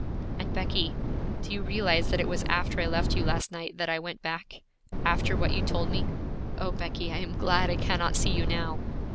'And Becky, do you realize that it was after I left you last night that I went back? After what you told me? O Becky, I am glad I cannot see you now!'